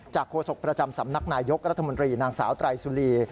โฆษกประจำสำนักนายยกรัฐมนตรีนางสาวไตรสุรี